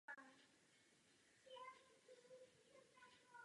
Po jmenováni vrchním velitelem se Belisarius ihned chopil iniciativy.